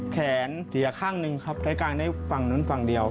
แขนเสียข้างหนึ่งครับใส่กลางได้ฝั่งหนึ่งฝั่งเดียว